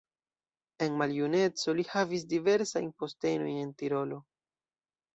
En maljuneco li havis diversajn postenojn en Tirolo.